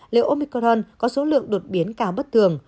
liệu omicron có số lượng đột biến cao bất thường